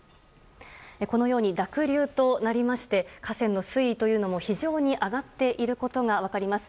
このように濁流となりまして河川の水位というのも非常に上がっていることが分かります。